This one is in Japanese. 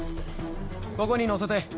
ここに載せて。